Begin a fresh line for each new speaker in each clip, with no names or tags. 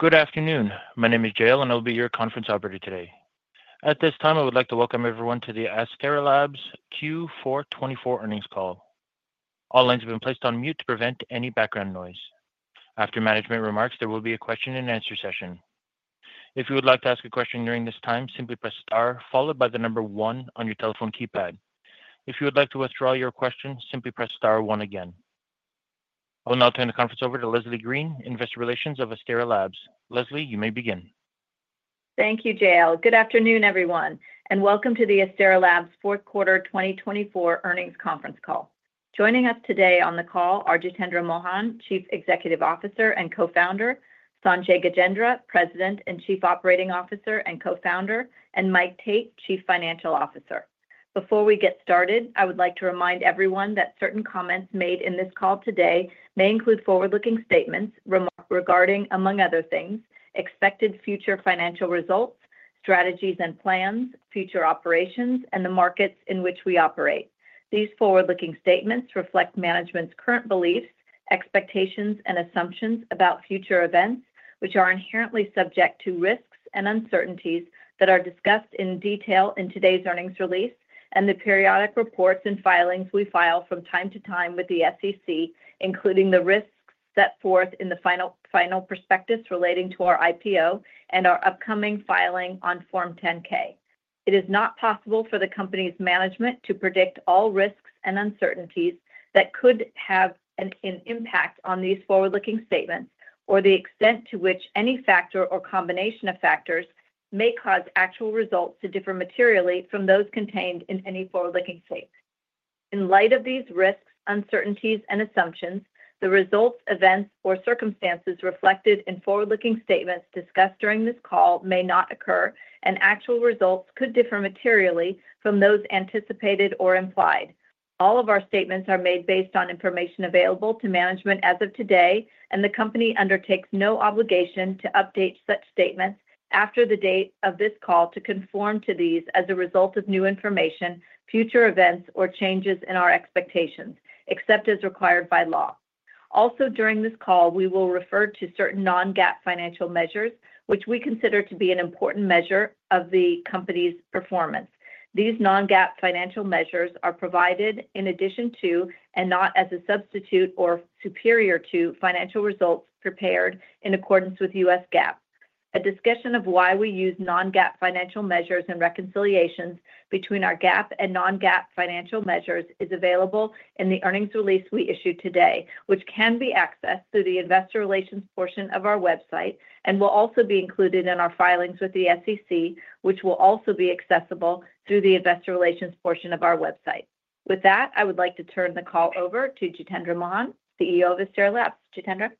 Good afternoon. My name is Jay, and I'll be your conference operator today. At this time, I would like to welcome everyone to the Astera Labs Q4 2024 earnings call. All lines have been placed on mute to prevent any background noise. After management remarks, there will be a question-and-answer session. If you would like to ask a question during this time, simply press star, followed by the number one on your telephone keypad. If you would like to withdraw your question, simply press star one again. I will now turn the conference over to Leslie Green, Investor Relations of Astera Labs. Leslie, you may begin.
Thank you, Jay. Good afternoon, everyone, and welcome to the Astera Labs Fourth Quarter 2024 earnings conference call. Joining us today on the call are Jitendra Mohan, Chief Executive Officer and Co-founder, Sanjay Gajendra, President and Chief Operating Officer and Co-founder, and Mike Tate, Chief Financial Officer. Before we get started, I would like to remind everyone that certain comments made in this call today may include forward-looking statements regarding, among other things, expected future financial results, strategies and plans, future operations, and the markets in which we operate. These forward-looking statements reflect management's current beliefs, expectations, and assumptions about future events, which are inherently subject to risks and uncertainties that are discussed in detail in today's earnings release and the periodic reports and filings we file from time to time with the SEC, including the risks set forth in the final prospectus relating to our IPO and our upcoming filing on Form 10-K. It is not possible for the company's management to predict all risks and uncertainties that could have an impact on these forward-looking statements or the extent to which any factor or combination of factors may cause actual results to differ materially from those contained in any forward-looking statement. In light of these risks, uncertainties, and assumptions, the results, events, or circumstances reflected in forward-looking statements discussed during this call may not occur, and actual results could differ materially from those anticipated or implied. All of our statements are made based on information available to management as of today, and the company undertakes no obligation to update such statements after the date of this call to conform to these as a result of new information, future events, or changes in our expectations, except as required by law. Also, during this call, we will refer to certain non-GAAP financial measures, which we consider to be an important measure of the company's performance. These non-GAAP financial measures are provided in addition to, and not as a substitute or superior to, financial results prepared in accordance with U.S. GAAP. A discussion of why we use non-GAAP financial measures and reconciliations between our GAAP and non-GAAP financial measures is available in the earnings release we issued today, which can be accessed through the Investor Relations portion of our website and will also be included in our filings with the SEC, which will also be accessible through the Investor Relations portion of our website. With that, I would like to turn the call over to Jitendra Mohan, CEO of Astera Labs. Jitendra.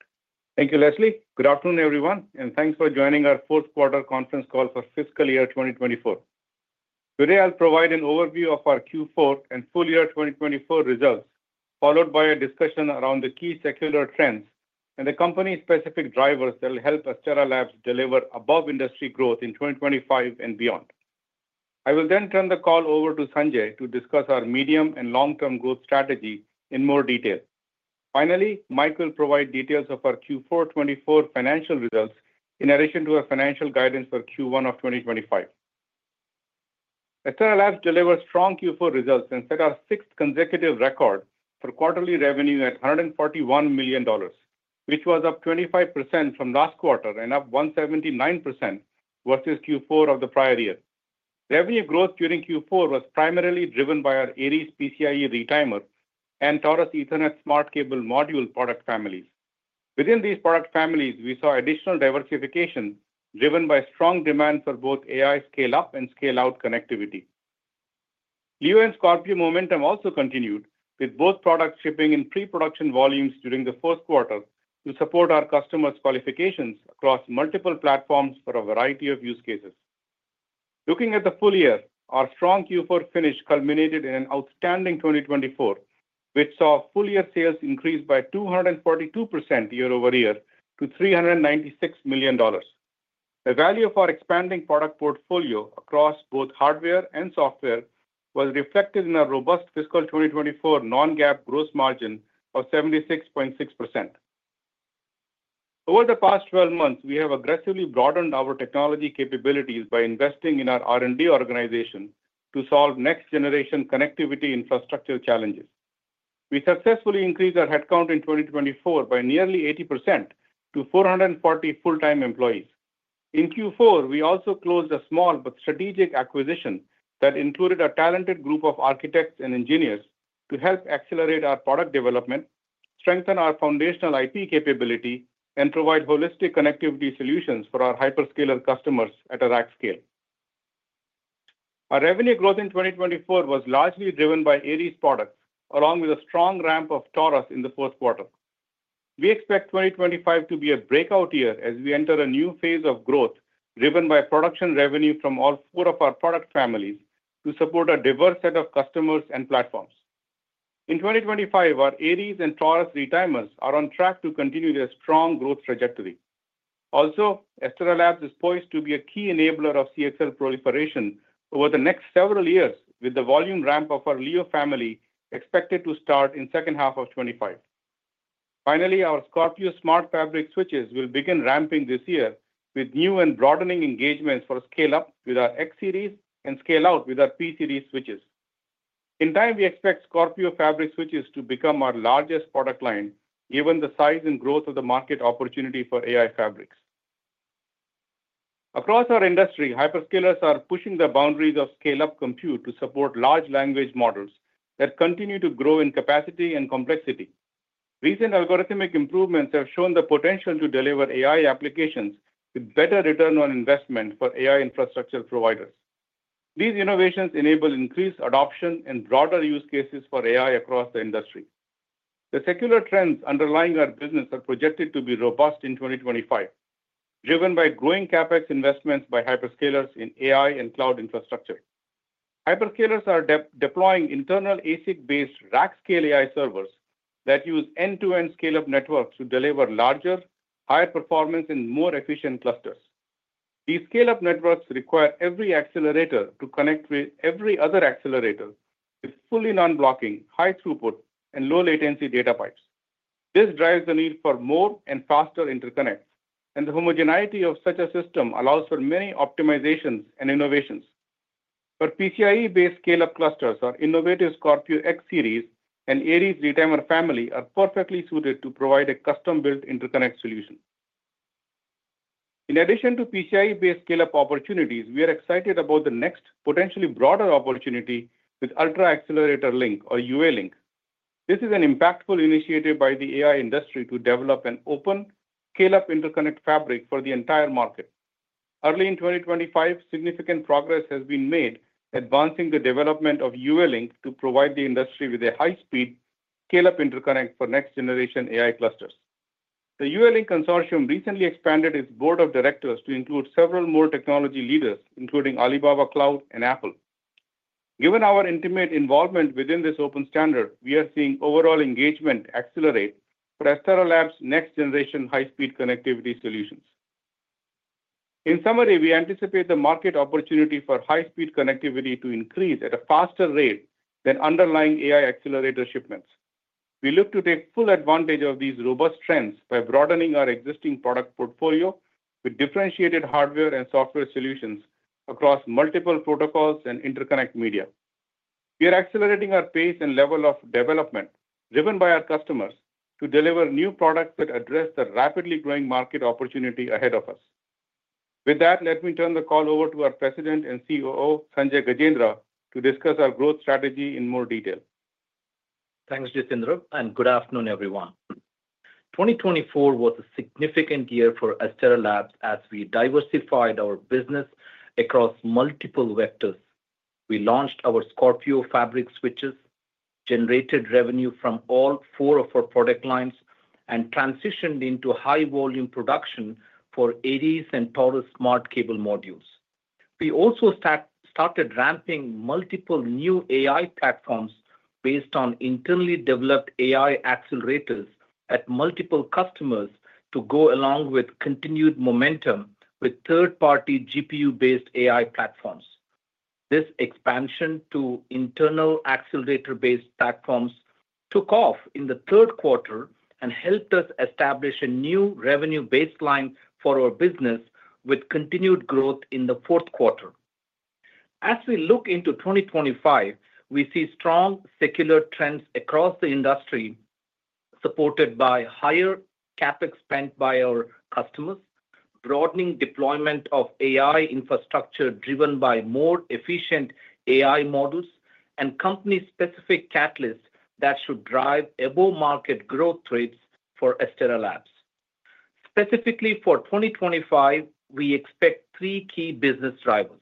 Thank you, Leslie. Good afternoon, everyone, and thanks for joining our Fourth Quarter conference call for Fiscal Year 2024. Today, I'll provide an overview of our Q4 and full year 2024 results, followed by a discussion around the key secular trends and the company-specific drivers that will help Astera Labs deliver above-industry growth in 2025 and beyond. I will then turn the call over to Sanjay to discuss our medium and long-term growth strategy in more detail. Finally, Mike will provide details of our Q424 financial results in addition to our financial guidance for Q1 of 2025. Astera Labs delivered strong Q4 results and set our sixth consecutive record for quarterly revenue at $141 million, which was up 25% from last quarter and up 179% versus Q4 of the prior year. Revenue growth during Q4 was primarily driven by our Aries PCIe retimer and Taurus Ethernet Smart Cable Module product families. Within these product families, we saw additional diversification driven by strong demand for both AI scale-up and scale-out connectivity. Leo and Scorpio momentum also continued, with both products shipping in pre-production volumes during the first quarter to support our customers' qualifications across multiple platforms for a variety of use cases. Looking at the full year, our strong Q4 finish culminated in an outstanding 2024, which saw full year sales increase by 242% year over year to $396 million. The value of our expanding product portfolio across both hardware and software was reflected in a robust fiscal 2024 non-GAAP gross margin of 76.6%. Over the past 12 months, we have aggressively broadened our technology capabilities by investing in our R&D organization to solve next-generation connectivity infrastructure challenges. We successfully increased our headcount in 2024 by nearly 80% to 440 full-time employees. In Q4, we also closed a small but strategic acquisition that included a talented group of architects and engineers to help accelerate our product development, strengthen our foundational IP capability, and provide holistic connectivity solutions for our hyperscaler customers at a rack scale. Our revenue growth in 2024 was largely driven by Aries products, along with a strong ramp of Taurus in the fourth quarter. We expect 2025 to be a breakout year as we enter a new phase of growth driven by production revenue from all four of our product families to support a diverse set of customers and platforms. In 2025, our Aries and Taurus retimers are on track to continue their strong growth trajectory. Also, Astera Labs is poised to be a key enabler of CXL proliferation over the next several years, with the volume ramp of our Leo family expected to start in the second half of 2025. Finally, our Scorpio Smart Fabric switches will begin ramping this year with new and broadening engagements for scale-up with our X -series and scale-out with our P- series switches. In time, we expect Scorpio Fabric switches to become our largest product line, given the size and growth of the market opportunity for AI fabrics. Across our industry, hyperscalers are pushing the boundaries of scale-up compute to support large language models that continue to grow in capacity and complexity. Recent algorithmic improvements have shown the potential to deliver AI applications with better return on investment for AI infrastructure providers. These innovations enable increased adoption and broader use cases for AI across the industry. The secular trends underlying our business are projected to be robust in 2025, driven by growing CapEx investments by hyperscalers in AI and cloud infrastructure. Hyperscalers are deploying internal ASIC-based rack scale AI servers that use end-to-end scale-up networks to deliver larger, higher performance, and more efficient clusters. These scale-up networks require every accelerator to connect with every other accelerator with fully non-blocking, high throughput, and low-latency data pipes. This drives the need for more and faster interconnects, and the homogeneity of such a system allows for many optimizations and innovations. For PCIe-based scale-up clusters, our innovative Scorpio X Series and Aries retimer family are perfectly suited to provide a custom-built interconnect solution. In addition to PCIe-based scale-up opportunities, we are excited about the next potentially broader opportunity with UALink, or UALink. This is an impactful initiative by the AI industry to develop an open scale-up interconnect fabric for the entire market. Early in 2025, significant progress has been made, advancing the development of UALink to provide the industry with a high-speed scale-up interconnect for next-generation AI clusters. The UALink consortium recently expanded its board of directors to include several more technology leaders, including Alibaba Cloud and Apple. Given our intimate involvement within this open standard, we are seeing overall engagement accelerate for Astera Labs' next-generation high-speed connectivity solutions. In summary, we anticipate the market opportunity for high-speed connectivity to increase at a faster rate than underlying AI accelerator shipments. We look to take full advantage of these robust trends by broadening our existing product portfolio with differentiated hardware and software solutions across multiple protocols and interconnect media. We are accelerating our pace and level of development, driven by our customers, to deliver new products that address the rapidly growing market opportunity ahead of us. With that, let me turn the call over to our President and COO, Sanjay Gajendra, to discuss our growth strategy in more detail.
Thanks, Jitendra, and good afternoon, everyone. 2024 was a significant year for Astera Labs as we diversified our business across multiple vectors. We launched our Scorpio Smart Fabric switches, generated revenue from all four of our product lines, and transitioned into high-volume production for Aries and Taurus Smart Cable Modules. We also started ramping multiple new AI platforms based on internally developed AI accelerators at multiple customers to go along with continued momentum with third-party GPU-based AI platforms. This expansion to internal accelerator-based platforms took off in the third quarter and helped us establish a new revenue baseline for our business with continued growth in the fourth quarter. As we look into 2025, we see strong secular trends across the industry supported by higher CapEx spent by our customers, broadening deployment of AI infrastructure driven by more efficient AI models and company-specific catalysts that should drive above-market growth rates for Astera Labs. Specifically for 2025, we expect three key business drivers.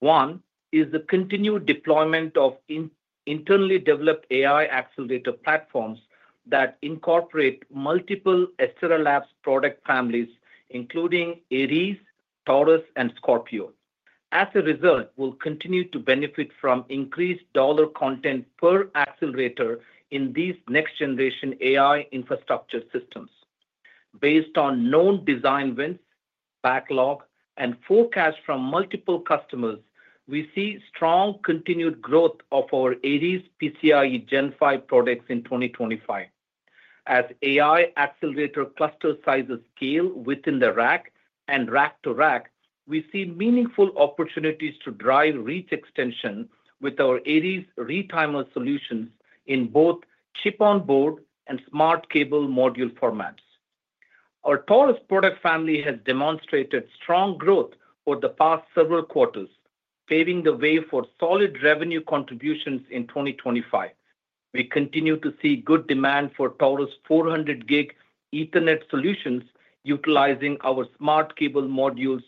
One is the continued deployment of internally developed AI accelerator platforms that incorporate multiple Astera Labs product families, including Aries, Taurus, and Scorpio. As a result, we'll continue to benefit from increased dollar content per accelerator in these next-generation AI infrastructure systems. Based on known design wins, backlog, and forecasts from multiple customers, we see strong continued growth of our Aries PCIe Gen 5 products in 2025. As AI accelerator cluster sizes scale within the rack and rack to rack, we see meaningful opportunities to drive reach extension with our Aries retimer solutions in both chip-on-board and smart cable module formats. Our Taurus product family has demonstrated strong growth over the past several quarters, paving the way for solid revenue contributions in 2025. We continue to see good demand for Taurus 400 gig Ethernet solutions utilizing our smart cable modules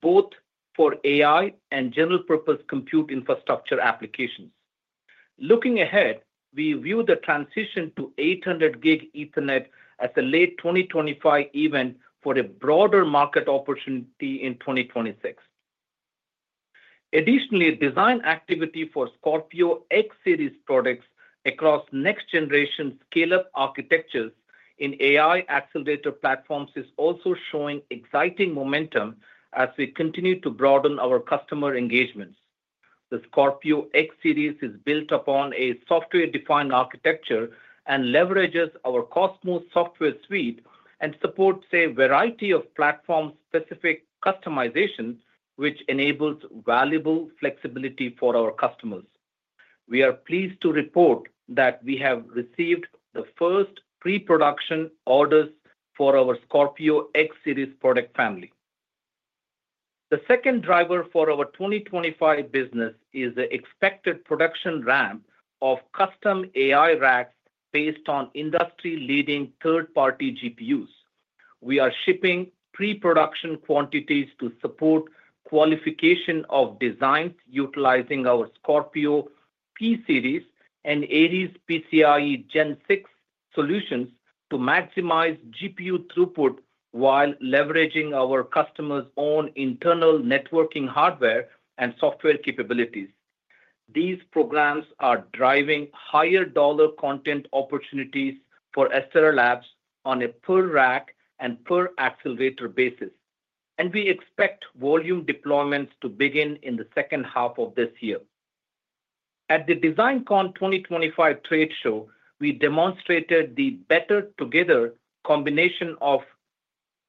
both for AI and general-purpose compute infrastructure applications. Looking ahead, we view the transition to 800 gig Ethernet as a late 2025 event for a broader market opportunity in 2026. Additionally, design activity for Scorpio X series products across next-generation scale-up architectures in AI accelerator platforms is also showing exciting momentum as we continue to broaden our customer engagements. The Scorpio X Series is built upon a software-defined architecture and leverages our COSMOSsoftware suite and supports a variety of platform-specific customizations, which enables valuable flexibility for our customers. We are pleased to report that we have received the first pre-production orders for our Scorpio X Series product family. The second driver for our 2025 business is the expected production ramp of custom AI racks based on industry-leading third-party GPUs. We are shipping pre-production quantities to support qualification of designs utilizing our Scorpio P Series and Aries PCIe Gen 6 solutions to maximize GPU throughput while leveraging our customers' own internal networking hardware and software capabilities. These programs are driving higher dollar content opportunities for Astera Labs on a per-rack and per-accelerator basis, and we expect volume deployments to begin in the second half of this year. At the DesignCon 2025 trade show, we demonstrated the better-together combination of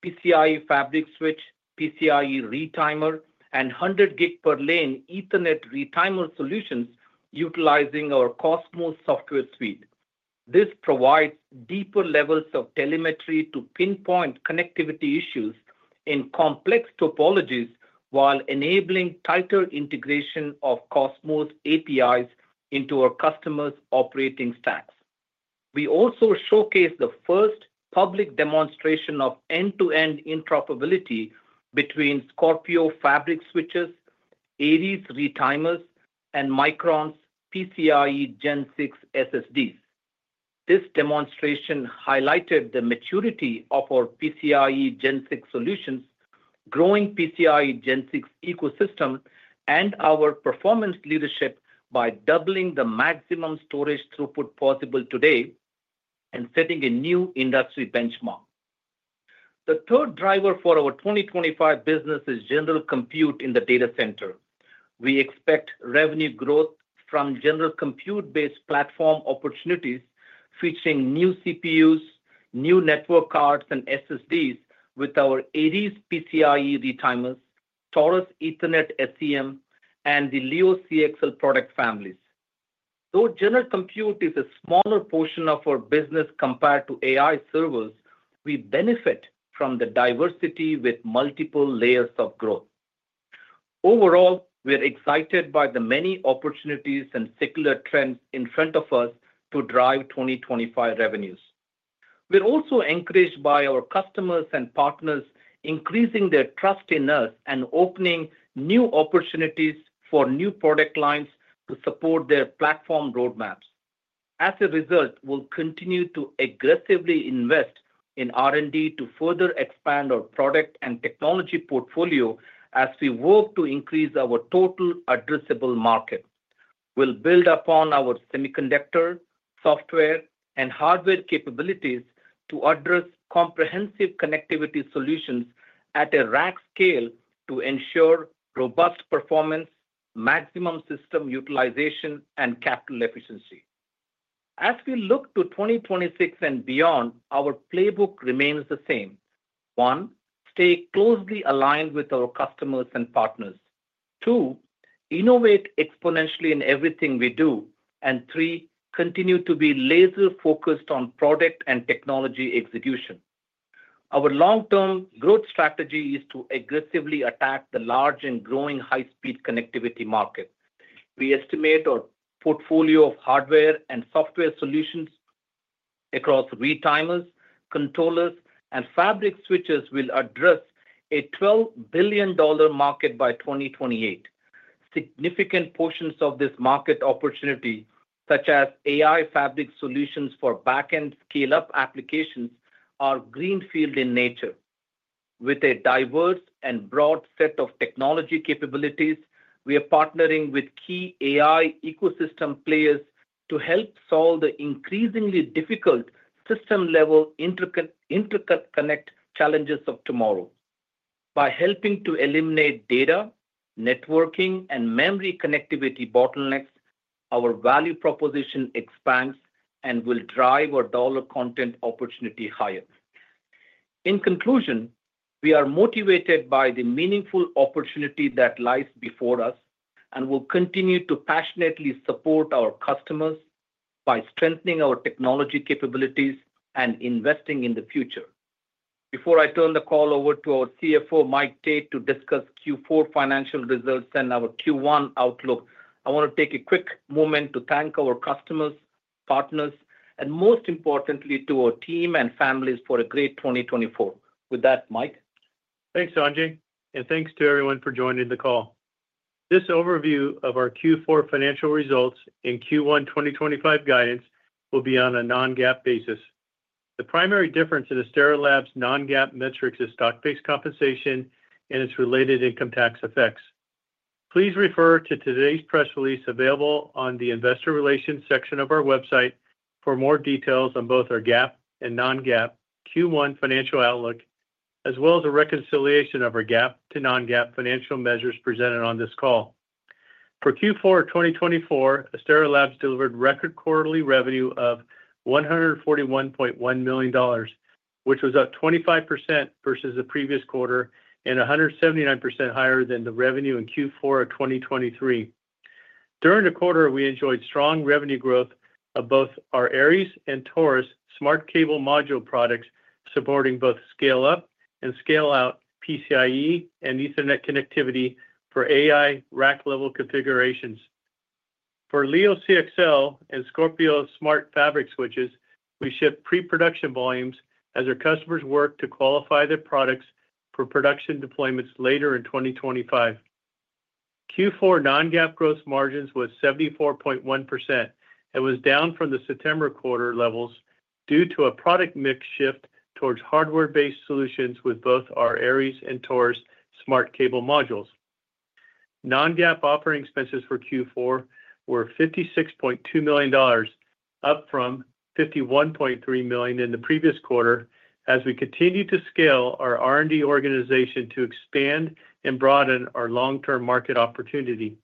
PCIe Fabric switch, PCIe retimer, and 100 gig per lane Ethernet retimer solutions utilizing our COSMOS software suite. This provides deeper levels of telemetry to pinpoint connectivity issues in complex topologies while enabling tighter integration of COSMOS APIs into our customers' operating stacks. We also showcased the first public demonstration of end-to-end interoperability between Scorpio Fabric switches, Aries retimers, and Micron's PCIe Gen 6 SSDs. This demonstration highlighted the maturity of our PCIe Gen 6 solutions, growing PCIe Gen 6 ecosystem, and our performance leadership by doubling the maximum storage throughput possible today and setting a new industry benchmark. The third driver for our 2025 business is general compute in the data center. We expect revenue growth from general compute-based platform opportunities featuring new CPUs, new network cards, and SSDs with our Aries PCIe retimers, Taurus Ethernet SCM, and the Leo CXL product families. Though general compute is a smaller portion of our business compared to AI servers, we benefit from the diversity with multiple layers of growth. Overall, we're excited by the many opportunities and secular trends in front of us to drive 2025 revenues. We're also encouraged by our customers and partners increasing their trust in us and opening new opportunities for new product lines to support their platform roadmaps. As a result, we'll continue to aggressively invest in R&D to further expand our product and technology portfolio as we work to increase our total addressable market. We'll build upon our semiconductor, software, and hardware capabilities to address comprehensive connectivity solutions at a rack scale to ensure robust performance, maximum system utilization, and capital efficiency. As we look to 2026 and beyond, our playbook remains the same. One, stay closely aligned with our customers and partners. Two, innovate exponentially in everything we do. And three, continue to be laser-focused on product and technology execution. Our long-term growth strategy is to aggressively attack the large and growing high-speed connectivity market. We estimate our portfolio of hardware and software solutions across retimers, controllers, and fabric switches will address a $12 billion market by 2028. Significant portions of this market opportunity, such as AI fabric solutions for back-end scale-up applications, are greenfield in nature. With a diverse and broad set of technology capabilities, we are partnering with key AI ecosystem players to help solve the increasingly difficult system-level interconnect challenges of tomorrow. By helping to eliminate data, networking, and memory connectivity bottlenecks, our value proposition expands and will drive our dollar content opportunity higher. In conclusion, we are motivated by the meaningful opportunity that lies before us and will continue to passionately support our customers by strengthening our technology capabilities and investing in the future. Before I turn the call over to our CFO, Mike Tate, to discuss Q4 financial results and our Q1 outlook, I want to take a quick moment to thank our customers, partners, and most importantly, to our team and families for a great 2024. With that, Mike.
Thanks, Sanjay, and thanks to everyone for joining the call. This overview of our Q4 financial results and Q1 2025 guidance will be on a non-GAAP basis. The primary difference in Astera Labs' non-GAAP metrics is stock-based compensation and its related income tax effects. Please refer to today's press release available on the investor relations section of our website for more details on both our GAAP and non-GAAP Q1 financial outlook, as well as a reconciliation of our GAAP to non-GAAP financial measures presented on this call. For Q4 2024, Astera Labs delivered record quarterly revenue of $141.1 million, which was up 25% versus the previous quarter and 179% higher than the revenue in Q4 of 2023. During the quarter, we enjoyed strong revenue growth of both our Aries and Taurus smart cable module products supporting both scale-up and scale-out PCIe and Ethernet connectivity for AI rack-level configurations. For Leo CXL and Scorpio smart fabric switches, we ship pre-production volumes as our customers work to qualify their products for production deployments later in 2025. Q4 non-GAAP gross margins were 74.1%. It was down from the September quarter levels due to a product mix shift towards hardware-based solutions with both our Aries and Taurus smart cable modules. Non-GAAP operating expenses for Q4 were $56.2 million, up from $51.3 million in the previous quarter as we continue to scale our R&D organization to expand and broaden our long-term market opportunity.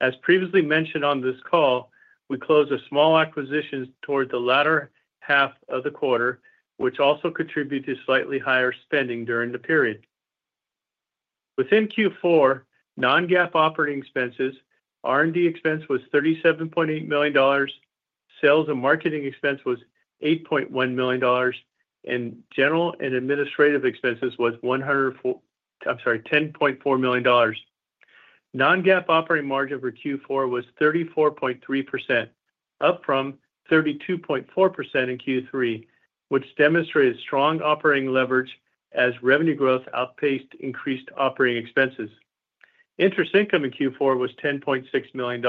As previously mentioned on this call, we closed a small acquisition toward the latter half of the quarter, which also contributed to slightly higher spending during the period. Within Q4 non-GAAP operating expenses, R&D expense was $37.8 million, sales and marketing expense was $8.1 million, and general and administrative expenses was $10.4 million. Non-GAAP operating margin for Q4 was 34.3%, up from 32.4% in Q3, which demonstrated strong operating leverage as revenue growth outpaced increased operating expenses. Interest income in Q4 was $10.6 million.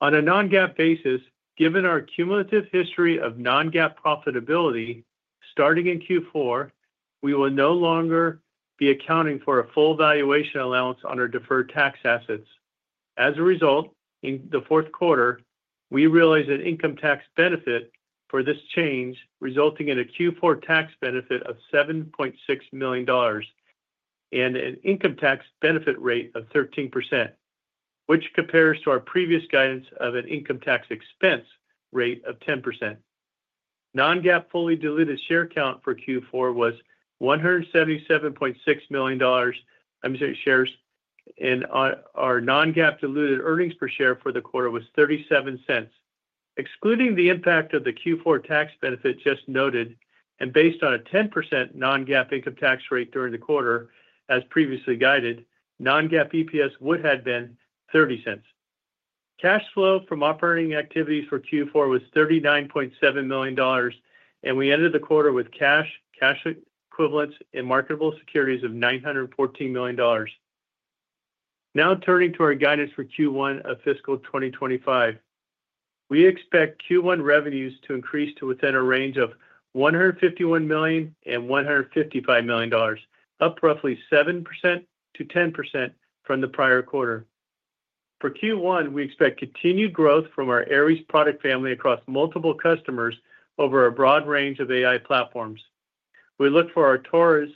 On a non-GAAP basis, given our cumulative history of non-GAAP profitability starting in Q4, we will no longer be accounting for a full valuation allowance on our deferred tax assets. As a result, in the fourth quarter, we realized an income tax benefit for this change, resulting in a Q4 tax benefit of $7.6 million and an income tax benefit rate of 13%, which compares to our previous guidance of an income tax expense rate of 10%. Non-GAAP fully diluted share count for Q4 was 177.6 million shares, and our non-GAAP diluted earnings per share for the quarter was $0.37. Excluding the impact of the Q4 tax benefit just noted and based on a 10% non-GAAP income tax rate during the quarter, as previously guided, non-GAAP EPS would have been $0.30. Cash flow from operating activities for Q4 was $39.7 million, and we ended the quarter with cash, cash equivalents, and marketable securities of $914 million. Now turning to our guidance for Q1 of fiscal 2025, we expect Q1 revenues to increase to within a range of $151 million-$155 million, up roughly 7%-10% from the prior quarter. For Q1, we expect continued growth from our Aries product family across multiple customers over a broad range of AI platforms. We look for our Taurus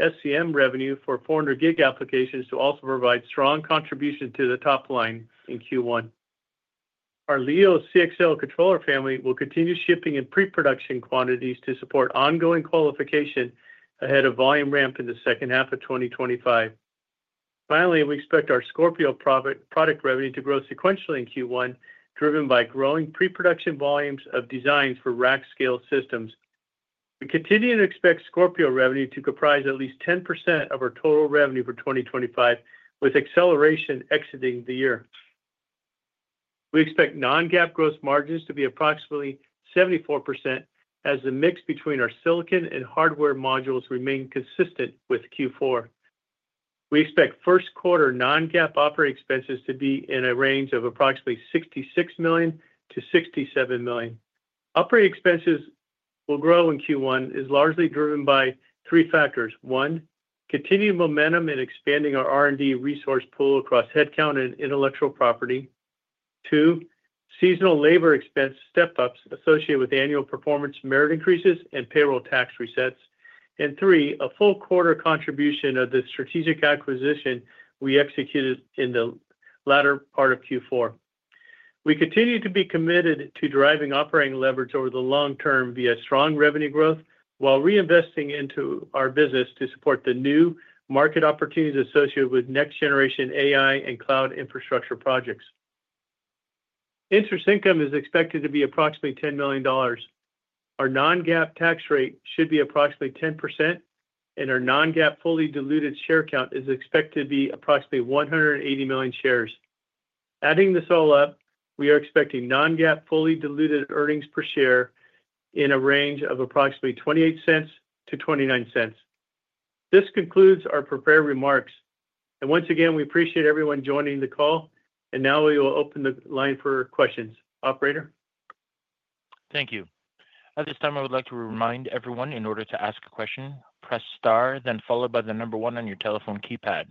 SCM revenue for 400 gig applications to also provide strong contributions to the top line in Q1. Our Leo CXL controller family will continue shipping in pre-production quantities to support ongoing qualification ahead of volume ramp in the second half of 2025. Finally, we expect our Scorpio product revenue to grow sequentially in Q1, driven by growing pre-production volumes of designs for rack scale systems. We continue to expect Scorpio revenue to comprise at least 10% of our total revenue for 2025, with acceleration exiting the year. We expect non-GAAP gross margins to be approximately 74% as the mix between our silicon and hardware modules remains consistent with Q4. We expect first quarter non-GAAP operating expenses to be in a range of approximately $66 million-$67 million. Operating expenses will grow in Q1, is largely driven by three factors. One, continued momentum in expanding our R&D resource pool across headcount and intellectual property. Two, seasonal labor expense step-ups associated with annual performance merit increases and payroll tax resets. And three, a full quarter contribution of the strategic acquisition we executed in the latter part of Q4. We continue to be committed to driving operating leverage over the long term via strong revenue growth while reinvesting into our business to support the new market opportunities associated with next-generation AI and cloud infrastructure projects. Interest income is expected to be approximately $10 million. Our non-GAAP tax rate should be approximately 10%, and our non-GAAP fully diluted share count is expected to be approximately 180 million shares. Adding this all up, we are expecting non-GAAP fully diluted earnings per share in a range of approximately $0.28-$0.29. This concludes our prepared remarks. And once again, we appreciate everyone joining the call, and now we will open the line for questions. Operator.
Thank you. At this time, I would like to remind everyone in order to ask a question, press star, then followed by the number one on your telephone keypad.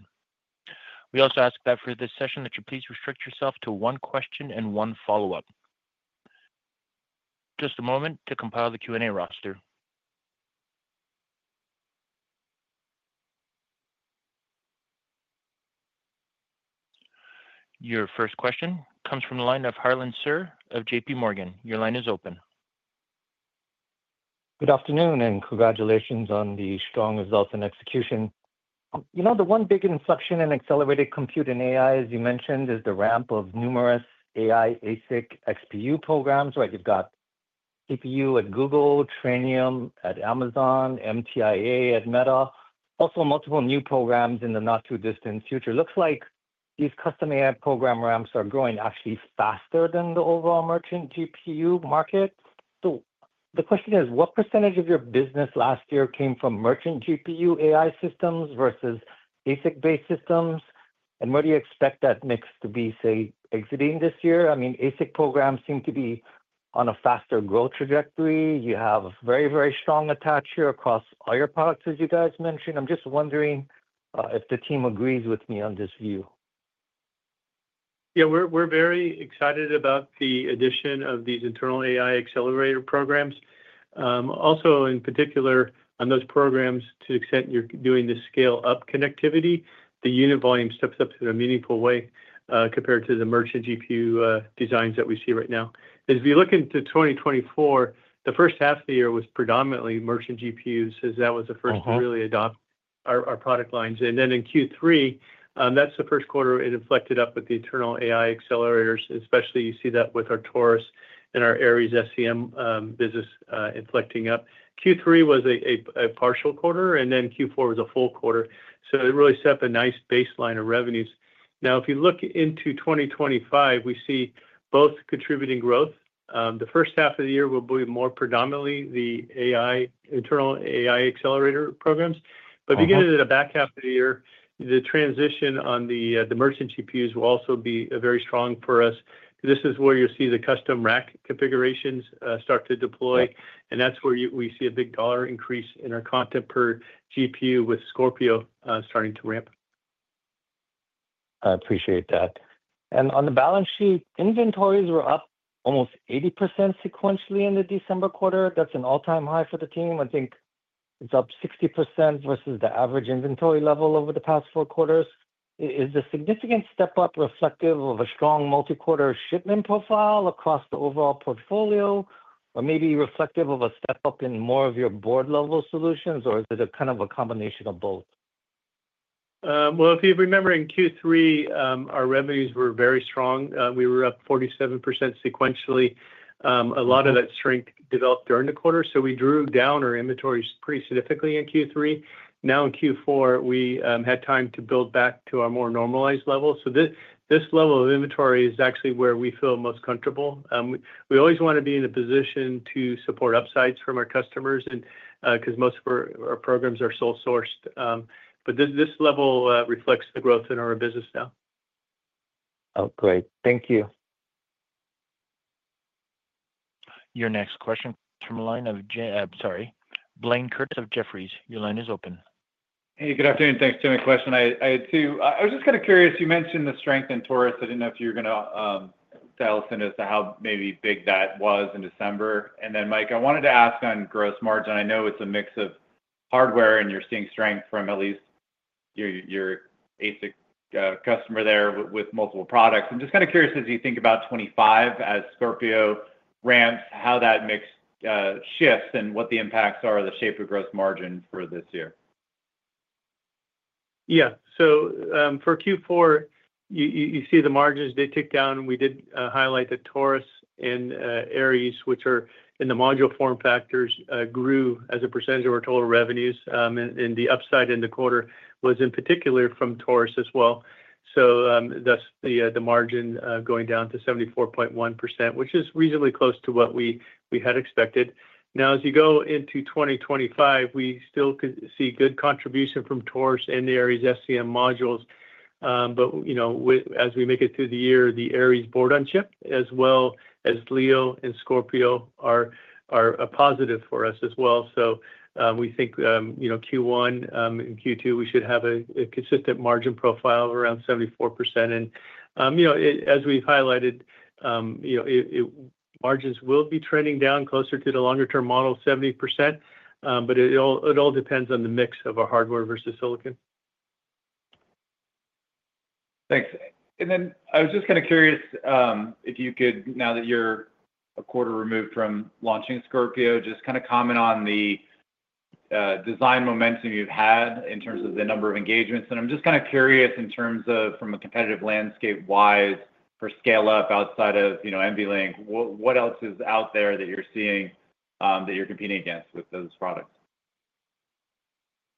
We also ask that for this session that you please restrict yourself to one question and one follow-up. Just a moment to compile the Q&A roster. Your first question comes from the line of Harlan Sur of JPMorgan. Your line is open.
Good afternoon, and congratulations on the strong results and execution. You know, the one big inflection in accelerated compute in AI, as you mentioned, is the ramp of numerous AI ASIC XPU programs, right? You've got CPU at Google, Trainium at Amazon, MTIA at Meta, also multiple new programs in the not-too-distant future. Looks like these custom AI program ramps are growing actually faster than the overall merchant GPU market. So the question is, what percentage of your business last year came from merchant GPU AI systems versus ASIC-based systems? And where do you expect that mix to be, say, exiting this year? I mean, ASIC programs seem to be on a faster growth trajectory. You have very, very strong attach here across all your products, as you guys mentioned. I'm just wondering if the team agrees with me on this view.
Yeah, we're very excited about the addition of these internal AI accelerator programs. Also, in particular, on those programs, to the extent you're doing the scale-up connectivity, the unit volume steps up in a meaningful way compared to the merchant GPU designs that we see right now. As we look into 2024, the first half of the year was predominantly merchant GPUs as that was the first to really adopt our product lines, and then in Q3, that's the first quarter it inflected up with the internal AI accelerators, especially you see that with our Taurus and our Aries SCM business inflecting up. Q3 was a partial quarter, and then Q4 was a full quarter, so it really set up a nice baseline of revenues. Now, if you look into 2025, we see both contributing growth. The first half of the year will be more predominantly the AI internal AI accelerator programs. But if you get into the back half of the year, the transition on the merchant GPUs will also be very strong for us. This is where you'll see the custom rack configurations start to deploy, and that's where we see a big dollar increase in our content per GPU with Scorpio starting to ramp.
I appreciate that. On the balance sheet, inventories were up almost 80% sequentially in the December quarter. That's an all-time high for the team. I think it's up 60% versus the average inventory level over the past four quarters. Is the significant step-up reflective of a strong multi-quarter shipment profile across the overall portfolio, or maybe reflective of a step-up in more of your board-level solutions, or is it a kind of a combination of both?
If you remember in Q3, our revenues were very strong. We were up 47% sequentially. A lot of that strength developed during the quarter, so we drew down our inventories pretty significantly in Q3. Now in Q4, we had time to build back to our more normalized level. So this level of inventory is actually where we feel most comfortable. We always want to be in a position to support upsides from our customers because most of our programs are sole-sourced. But this level reflects the growth in our business now.
Oh, great. Thank you.
Your next question, Blayne Curtis of Jefferies. Your line is open.
Hey, good afternoon. Thanks for my question. I was just kind of curious. You mentioned the strength in Taurus. I didn't know if you were going to dial us into how maybe big that was in December. And then, Mike, I wanted to ask on gross margin. I know it's a mix of hardware, and you're seeing strength from at least your ASIC customer there with multiple products. I'm just kind of curious, as you think about 2025 as Scorpio ramps, how that mix shifts and what the impacts are of the shape of gross margin for this year.
Yeah, so for Q4, you see the margins; they ticked down. We did highlight that Taurus and Aries, which are in the module form factors, grew as a percentage of our total revenues. And the upside in the quarter was in particular from Taurus as well. So thus, the margin going down to 74.1%, which is reasonably close to what we had expected. Now, as you go into 2025, we still see good contribution from Taurus and the Aries SCM modules. But as we make it through the year, the Aries board on chip, as well as Leo and Scorpio, are a positive for us as well. So we think Q1 and Q2, we should have a consistent margin profile of around 74%. And as we've highlighted, margins will be trending down closer to the longer-term model, 70%, but it all depends on the mix of our hardware versus silicon.
Thanks. And then I was just kind of curious if you could, now that you're a quarter removed from launching Scorpio, just kind of comment on the design momentum you've had in terms of the number of engagements. And I'm just kind of curious in terms of, from a competitive landscape-wise, for scale-up outside of NVLink, what else is out there that you're seeing that you're competing against with those products?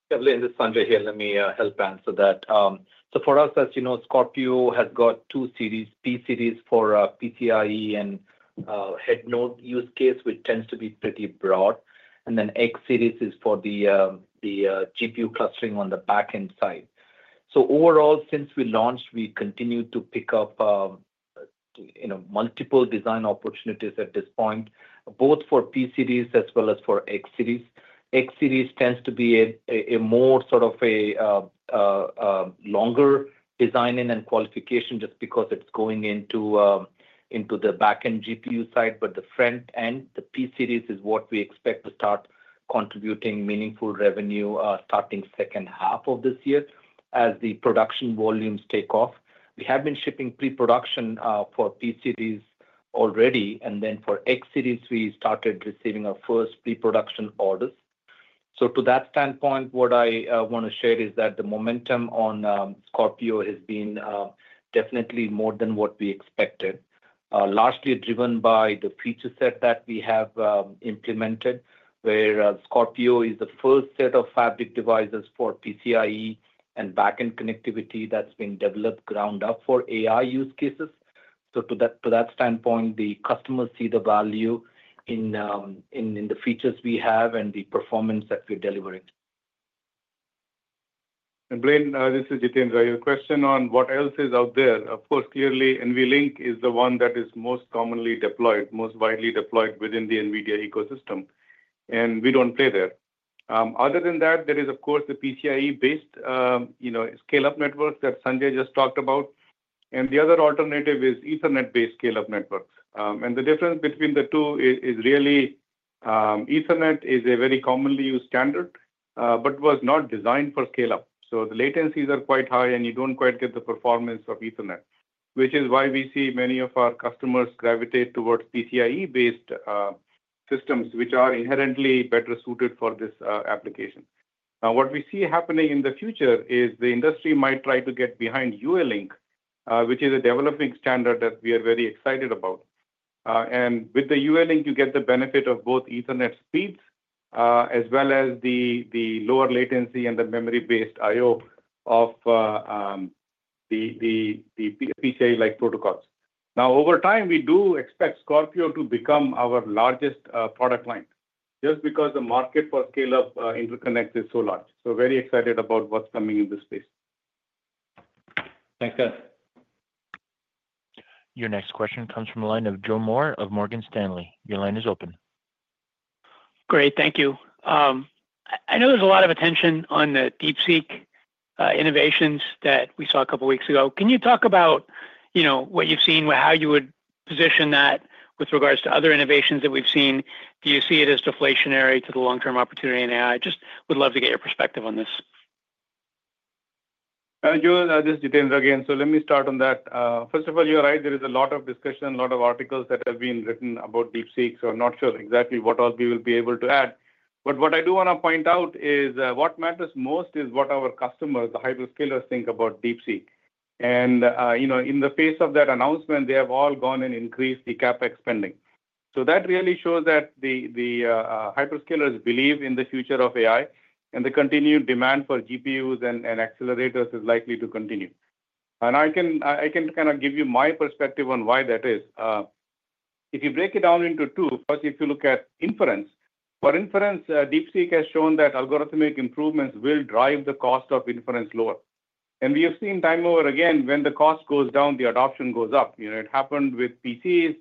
Definitely. This is Sanjay here. Let me help answer that. So for us, as you know, Scorpio has got two series, P series for PCIe and head node use case, which tends to be pretty broad. And then X series is for the GPU clustering on the backend side. So overall, since we launched, we continue to pick up multiple design opportunities at this point, both for P series as well as for X series. X series tends to be a more sort of a longer design in and qualification just because it's going into the backend GPU side. But the front end, the P series is what we expect to start contributing meaningful revenue starting second half of this year as the production volumes take off. We have been shipping pre-production for P series already, and then for X series, we started receiving our first pre-production orders. So, to that standpoint, what I want to share is that the momentum on Scorpio has been definitely more than what we expected, largely driven by the feature set that we have implemented, where Scorpio is the first set of fabric devices for PCIe and backend connectivity that's been developed ground up for AI use cases. So, to that standpoint, the customers see the value in the features we have and the performance that we're delivering.
Blayne, this is Jitendra. Your question on what else is out there, of course, clearly, NVLink is the one that is most commonly deployed, most widely deployed within the NVIDIA ecosystem. We don't play there. Other than that, there is, of course, the PCIe-based scale-up networks that Sanjay just talked about. The other alternative is Ethernet-based scale-up networks. The difference between the two is really Ethernet is a very commonly used standard but was not designed for scale-up. So the latencies are quite high, and you don't quite get the performance of Ethernet, which is why we see many of our customers gravitate towards PCIe-based systems, which are inherently better suited for this application. Now, what we see happening in the future is the industry might try to get behind UALink, which is a developing standard that we are very excited about. And with the UALink, you get the benefit of both Ethernet speeds as well as the lower latency and the memory-based I/O of the PCIe-like protocols. Now, over time, we do expect Scorpio to become our largest product line just because the market for scale-up interconnects is so large. So very excited about what's coming in this space.
Thanks, guys.
Your next question comes from the line of Joe Moore of Morgan Stanley. Your line is open.
Great. Thank you. I know there's a lot of attention on the DeepSeek innovations that we saw a couple of weeks ago. Can you talk about what you've seen, how you would position that with regards to other innovations that we've seen? Do you see it as deflationary to the long-term opportunity in AI? Just would love to get your perspective on this.
Joe, this is Jitendra again. So let me start on that. First of all, you're right. There is a lot of discussion, a lot of articles that have been written about DeepSeek. So I'm not sure exactly what all we will be able to add. But what I do want to point out is what matters most is what our customers, the hyperscalers, think about DeepSeek. And in the face of that announcement, they have all gone and increased the CapEx spending. So that really shows that the hyperscalers believe in the future of AI, and the continued demand for GPUs and accelerators is likely to continue. And I can kind of give you my perspective on why that is. If you break it down into two, first, if you look at inference. For inference, DeepSeek has shown that algorithmic improvements will drive the cost of inference lower. And we have seen time and again, when the cost goes down, the adoption goes up. It happened with PCs.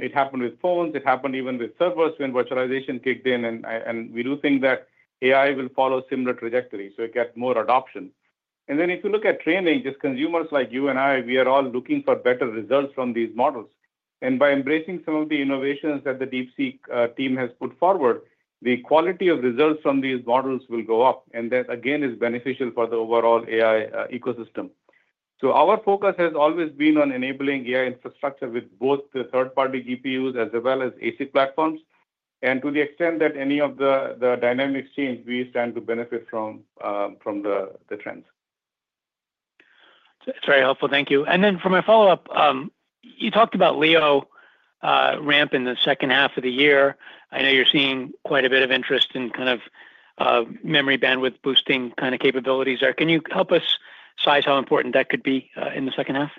It happened with phones. It happened even with servers when virtualization kicked in. And we do think that AI will follow a similar trajectory. So it gets more adoption. And then if you look at training, just consumers like you and I, we are all looking for better results from these models. And by embracing some of the innovations that the DeepSeek team has put forward, the quality of results from these models will go up. And that, again, is beneficial for the overall AI ecosystem. So our focus has always been on enabling AI infrastructure with both the third-party GPUs as well as ASIC platforms. To the extent that any of the dynamics change, we stand to benefit from the trends.
That's very helpful. Thank you. And then for my follow-up, you talked about Leo ramp in the second half of the year. I know you're seeing quite a bit of interest in kind of memory bandwidth boosting kind of capabilities there. Can you help us size how important that could be in the second half?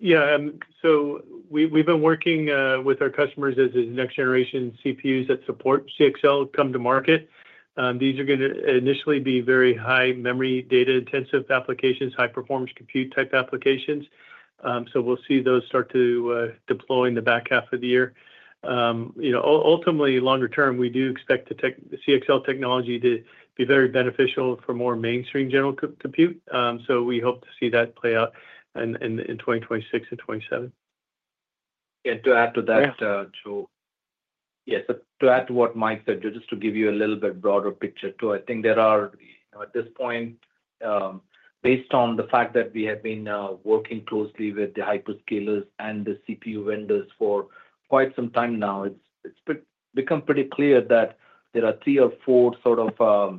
Yeah. So we've been working with our customers as next-generation CPUs that support CXL come to market. These are going to initially be very high memory data-intensive applications, high-performance compute-type applications. So we'll see those start to deploy in the back half of the year. Ultimately, longer term, we do expect the CXL technology to be very beneficial for more mainstream general compute. So we hope to see that play out in 2026 and 2027.
To add to that, Joe, yes, to add to what Mike said, just to give you a little bit broader picture, too, I think there are, at this point, based on the fact that we have been working closely with the hyperscalers and the CPU vendors for quite some time now, it's become pretty clear that there are three or four sort of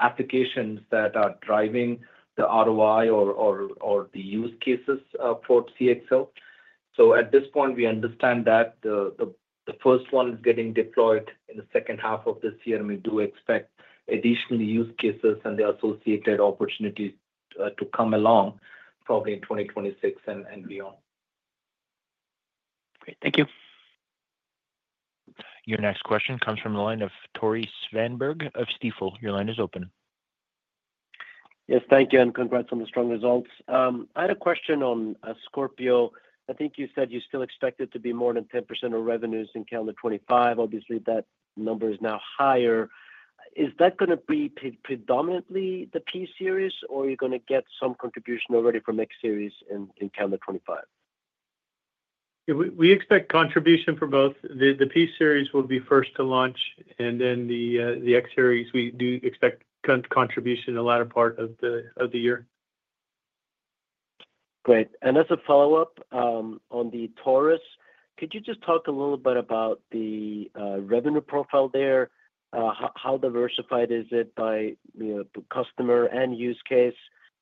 applications that are driving the ROI or the use cases for CXL. At this point, we understand that the first one is getting deployed in the second half of this year. We do expect additional use cases and the associated opportunities to come along probably in 2026 and beyond.
Great. Thank you.
Your next question comes from the line of Tore Svanberg of Stifel. Your line is open.
Yes, thank you. And congrats on the strong results. I had a question on Scorpio. I think you said you still expect it to be more than 10% of revenues in calendar 2025. Obviously, that number is now higher. Is that going to be predominantly the P-Series, or are you going to get some contribution already from X-Series in calendar 2025?
We expect contribution for both. The P Series will be first to launch, and then the X Series. We do expect contribution in the latter part of the year.
Great. And as a follow-up on the Taurus, could you just talk a little bit about the revenue profile there? How diversified is it by customer and use case?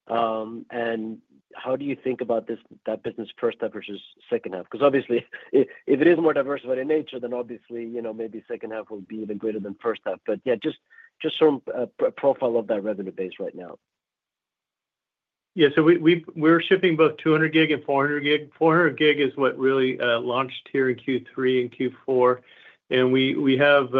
And how do you think about that business first half versus second half? Because obviously, if it is more diversified in nature, then obviously, maybe second half will be even greater than first half. But yeah, just some profile of that revenue base right now.
Yeah. So we're shipping both 200 gig and 400 gig. 400 gig is what really launched here in Q3 and Q4. And we have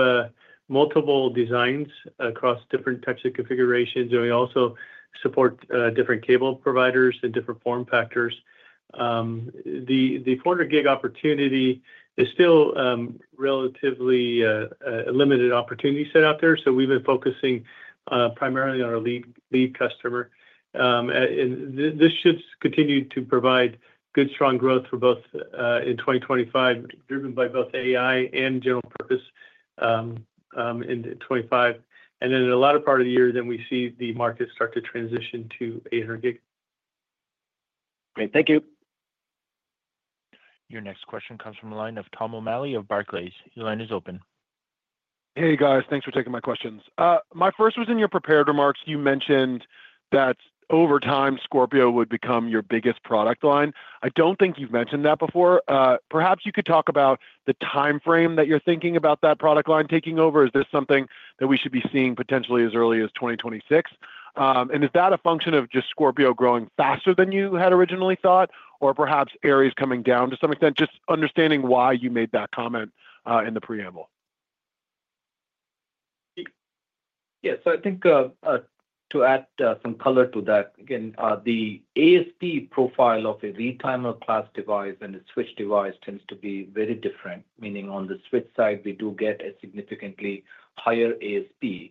multiple designs across different types of configurations. And we also support different cable providers and different form factors. The 400 gig opportunity is still relatively a limited opportunity set out there. So we've been focusing primarily on our lead customer. And this should continue to provide good, strong growth for both in 2025, driven by both AI and general purpose in 2025. And then in the latter part of the year, then we see the market start to transition to 800 gig.
Great. Thank you.
Your next question comes from the line of Tom O'Malley of Barclays. Your line is open.
Hey, guys. Thanks for taking my questions. My first was in your prepared remarks. You mentioned that over time, Scorpio would become your biggest product line. I don't think you've mentioned that before. Perhaps you could talk about the timeframe that you're thinking about that product line taking over. Is this something that we should be seeing potentially as early as 2026? And is that a function of just Scorpio growing faster than you had originally thought, or perhaps Aries coming down to some extent? Just understanding why you made that comment in the preamble.
Yeah. So I think to add some color to that, again, the ASP profile of a retimer-class device and a switch device tends to be very different, meaning on the switch side, we do get a significantly higher ASP.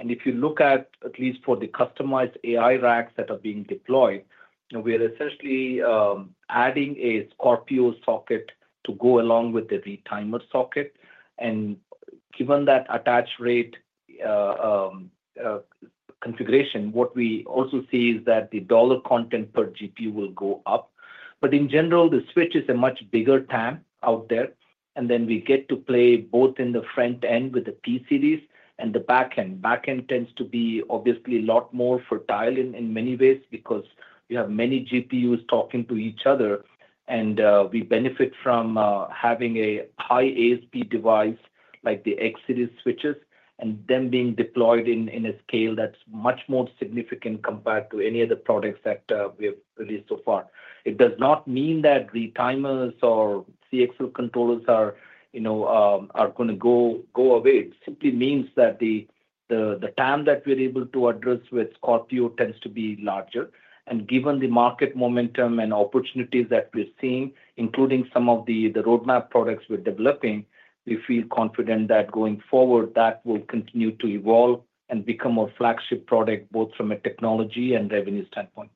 And if you look at, at least for the customized AI racks that are being deployed, we are essentially adding a Scorpio socket to go along with the retimer socket. And given that attach rate configuration, what we also see is that the dollar content per GPU will go up. But in general, the switch is a much bigger TAM out there. And then we get to play both in the front end with the P series and the backend. Backend tends to be obviously a lot more fertile in many ways because you have many GPUs talking to each other. And we benefit from having a high ASP device like the X series switches and them being deployed in a scale that's much more significant compared to any of the products that we have released so far. It does not mean that retimers or CXL controllers are going to go away. It simply means that the TAM that we're able to address with Scorpio tends to be larger. And given the market momentum and opportunities that we're seeing, including some of the roadmap products we're developing, we feel confident that going forward, that will continue to evolve and become a flagship product both from a technology and revenue standpoint.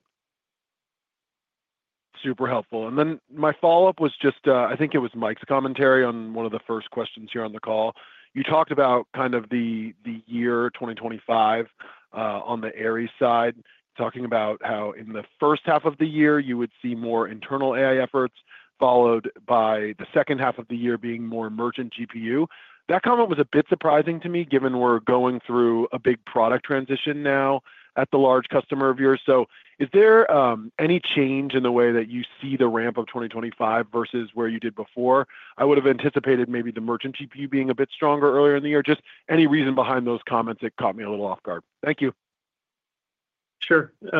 Super helpful. And then my follow-up was just, I think it was Mike's commentary on one of the first questions here on the call. You talked about kind of the year 2025 on the Aries side, talking about how in the first half of the year, you would see more internal AI efforts followed by the second half of the year being more merchant GPU. That comment was a bit surprising to me given we're going through a big product transition now at the large customer of yours. So is there any change in the way that you see the ramp of 2025 versus where you did before? I would have anticipated maybe the merchant GPU being a bit stronger earlier in the year. Just any reason behind those comments that caught me a little off guard. Thank you.
Sure. Yeah.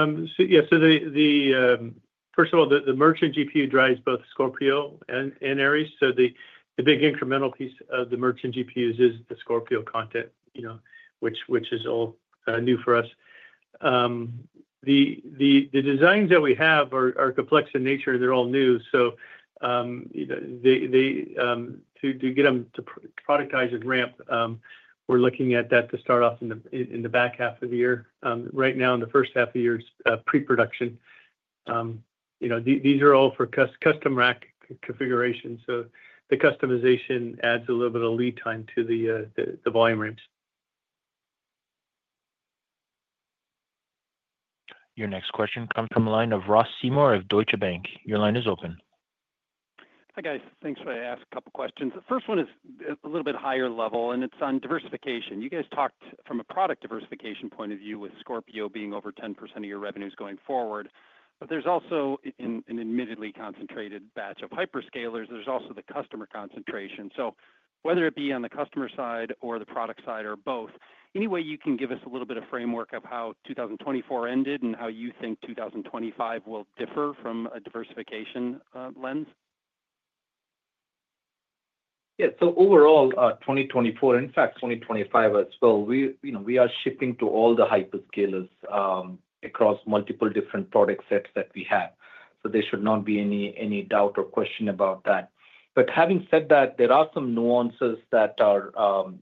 So first of all, the merchant GPU drives both Scorpio and Aries. So the big incremental piece of the merchant GPUs is the Scorpio content, which is all new for us. The designs that we have are complex in nature. They're all new. So to get them to productize and ramp, we're looking at that to start off in the back half of the year. Right now, in the first half of the year, it's pre-production. These are all for custom rack configurations. So the customization adds a little bit of lead time to the volume ramps.
Your next question comes from the line of Ross Seymore of Deutsche Bank. Your line is open.
Hi, guys. Thanks for asking a couple of questions. The first one is a little bit higher level, and it's on diversification. You guys talked from a product diversification point of view with Scorpio being over 10% of your revenues going forward. But there's also an admittedly concentrated batch of hyperscalers. There's also the customer concentration. So whether it be on the customer side or the product side or both, any way you can give us a little bit of framework of how 2024 ended and how you think 2025 will differ from a diversification lens?
Yeah. So overall, 2024, in fact, 2025 as well, we are shipping to all the hyperscalers across multiple different product sets that we have. So there should not be any doubt or question about that. But having said that, there are some nuances that are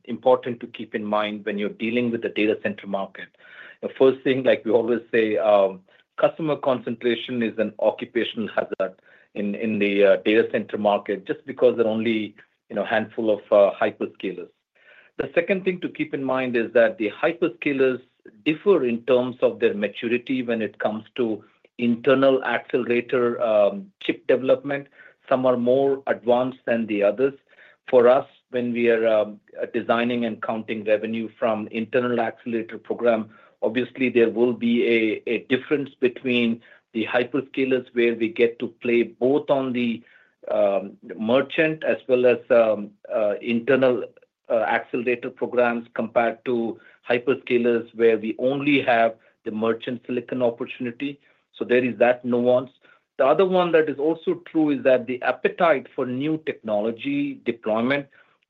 important to keep in mind when you're dealing with the data center market. The first thing, like we always say, customer concentration is an occupational hazard in the data center market just because there are only a handful of hyperscalers. The second thing to keep in mind is that the hyperscalers differ in terms of their maturity when it comes to internal accelerator chip development. Some are more advanced than the others. For us, when we are designing and counting revenue from internal accelerator program, obviously, there will be a difference between the hyperscalers where we get to play both on the merchant as well as internal accelerator programs compared to hyperscalers where we only have the merchant silicon opportunity. So there is that nuance. The other one that is also true is that the appetite for new technology deployment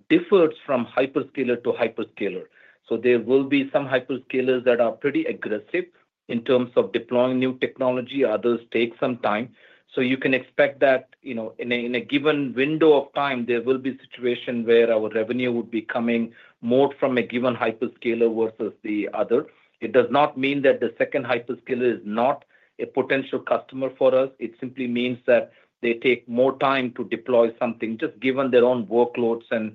differs from hyperscaler to hyperscaler. So there will be some hyperscalers that are pretty aggressive in terms of deploying new technology. Others take some time. So you can expect that in a given window of time, there will be a situation where our revenue would be coming more from a given hyperscaler versus the other. It does not mean that the second hyperscaler is not a potential customer for us.
It simply means that they take more time to deploy something just given their own workloads and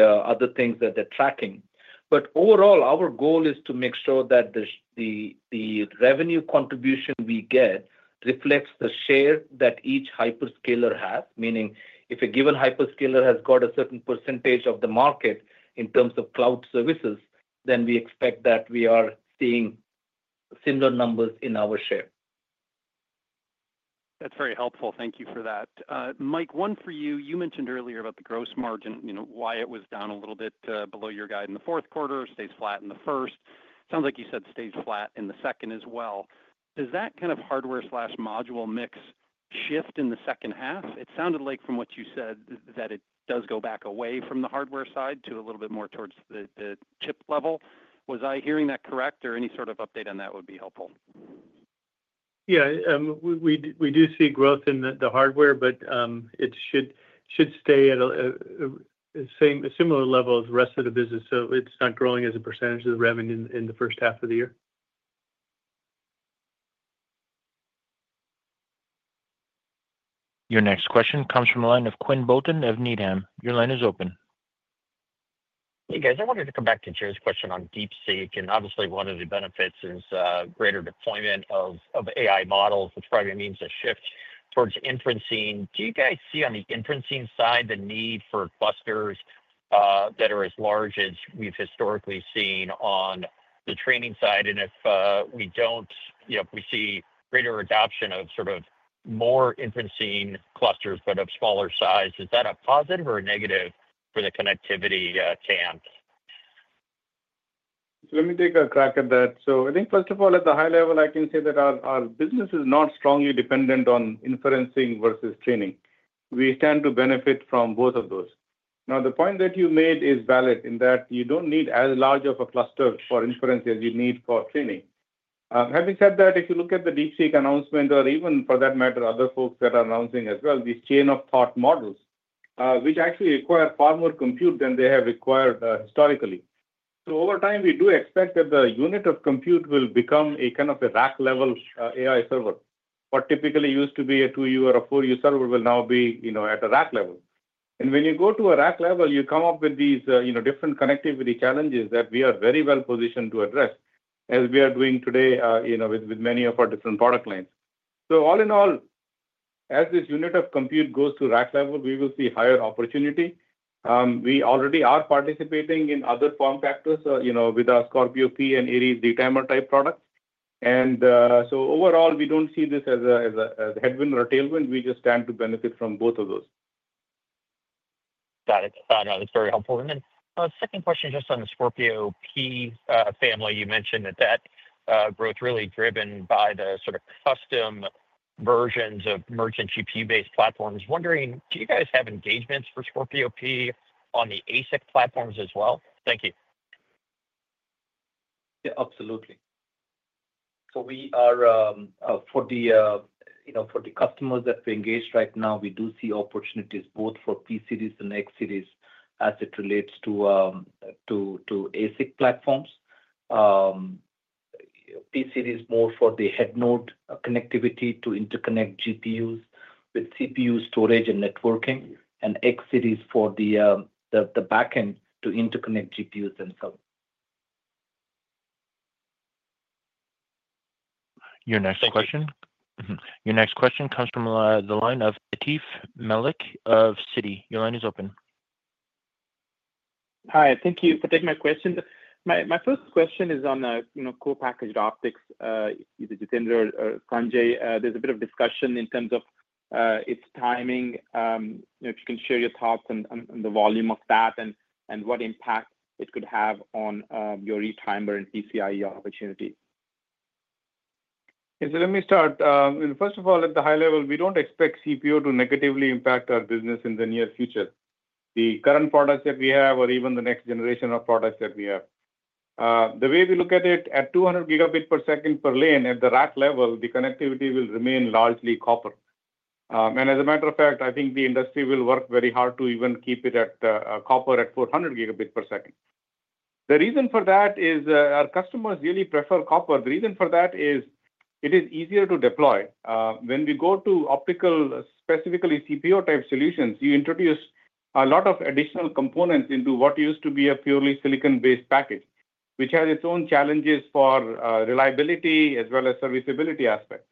other things that they're tracking. But overall, our goal is to make sure that the revenue contribution we get reflects the share that each hyperscaler has, meaning if a given hyperscaler has got a certain percentage of the market in terms of cloud services, then we expect that we are seeing similar numbers in our share.
That's very helpful. Thank you for that. Mike, one for you. You mentioned earlier about the gross margin, why it was down a little bit below your guide in the fourth quarter, stays flat in the first. Sounds like you said stays flat in the second as well. Does that kind of hardware/module mix shift in the second half? It sounded like from what you said that it does go back away from the hardware side to a little bit more towards the chip level. Was I hearing that correct, or any sort of update on that would be helpful?
Yeah. We do see growth in the hardware, but it should stay at a similar level as the rest of the business. So it's not growing as a percentage of the revenue in the first half of the year.
Your next question comes from the line of Quinn Bolton of Needham. Your line is open.
Hey, guys. I wanted to come back to Jay's question on DeepSeek, and obviously, one of the benefits is greater deployment of AI models, which probably means a shift towards inferencing. Do you guys see on the inferencing side the need for clusters that are as large as we've historically seen on the training side, and if we don't, if we see greater adoption of sort of more inferencing clusters but of smaller size, is that a positive or a negative for the connectivity TAM?
So let me take a crack at that. So I think, first of all, at the high level, I can say that our business is not strongly dependent on inferencing versus training. We tend to benefit from both of those. Now, the point that you made is valid in that you don't need as large of a cluster for inference as you need for training. Having said that, if you look at the DeepSeek announcement, or even for that matter, other folks that are announcing as well, these chain-of-thought models, which actually require far more compute than they have required historically. So over time, we do expect that the unit of compute will become a kind of rack-level AI server. What typically used to be a 2U or a 4U server will now be at a rack level. When you go to a rack level, you come up with these different connectivity challenges that we are very well positioned to address, as we are doing today with many of our different product lines. So all in all, as this unit of compute goes to rack level, we will see higher opportunity. We already are participating in other form factors with our Scorpio P and Aries retimer-type products. And so overall, we don't see this as a headwind or a tailwind. We just tend to benefit from both of those.
Got it. That's very helpful. And then second question just on the Scorpio P family. You mentioned that that growth is really driven by the sort of custom versions of merchant GPU-based platforms. Wondering, do you guys have engagements for Scorpio P on the ASIC platforms as well? Thank you.
Yeah, absolutely. So for the customers that we engage right now, we do see opportunities both for P series and X series as it relates to ASIC platforms. P series is more for the head node connectivity to interconnect GPUs with CPU storage and networking, and X series for the backend to interconnect GPUs themselves.
Your next question comes from the line of Atif Malik of Citi. Your line is open.
Hi. Thank you for taking my question. My first question is on co-packaged optics, either Jitendra or Sanjay. There's a bit of discussion in terms of its timing. If you can share your thoughts on the volume of that and what impact it could have on your retimer and PCIe opportunity.
And so let me start. First of all, at the high level, we don't expect CPU to negatively impact our business in the near future. The current products that we have or even the next generation of products that we have, the way we look at it, at 200 gigabit per second per lane at the rack level, the connectivity will remain largely copper. And as a matter of fact, I think the industry will work very hard to even keep it at copper at 400 gigabit per second. The reason for that is our customers really prefer copper. The reason for that is it is easier to deploy. When we go to optical, specifically CPO-type solutions, you introduce a lot of additional components into what used to be a purely silicon-based package, which has its own challenges for reliability as well as serviceability aspects.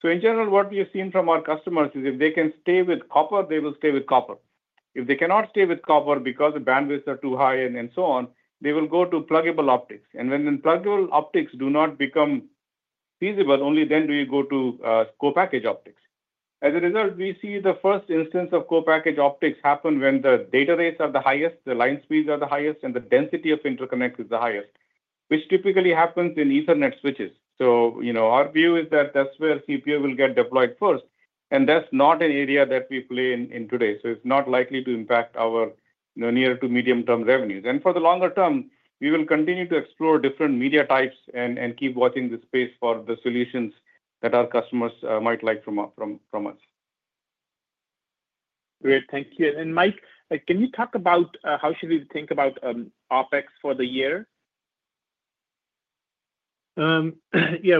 So in general, what we have seen from our customers is if they can stay with copper, they will stay with copper. If they cannot stay with copper because the bandwidths are too high and so on, they will go to pluggable optics. And when pluggable optics do not become feasible, only then do you go to co-packaged optics. As a result, we see the first instance of co-packaged optics happen when the data rates are the highest, the line speeds are the highest, and the density of interconnect is the highest, which typically happens in Ethernet switches. So our view is that that's where CPO will get deployed first. And that's not an area that we play in today. So it's not likely to impact our near to medium-term revenues. For the longer term, we will continue to explore different media types and keep watching the space for the solutions that our customers might like from us.
Great. Thank you. And Mike, can you talk about how should we think about OpEx for the year?
Yeah.